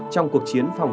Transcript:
trong cuộc chiến phòng